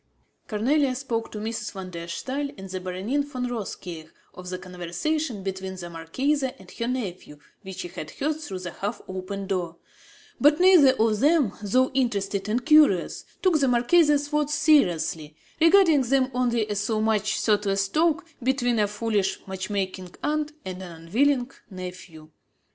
Cornélie spoke to Mrs. van der Staal and the Baronin von Rothkirch of the conversation between the marchesa and her nephew which she had heard through the half open door; but neither of them, though interested and curious, took the marchesa's words seriously, regarding them only as so much thoughtless talk between a foolish, match making aunt and an unwilling nephew.